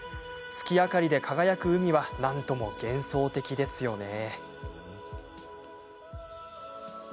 月明かりで輝く海はなんとも幻想的ですよね。